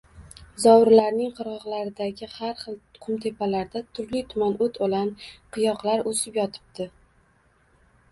Zovurlarning qirgʻogʻidagi har xil qumtepalarda turli-tuman oʻt-oʻlan, qiyoqlar oʻsib yotibdi.